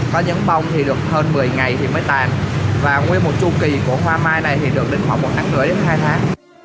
có những bông thì được hơn một mươi ngày thì mới tàn và nguyên một chu kỳ của hoa mai này thì được định khoảng một tháng rưỡi đến hai tháng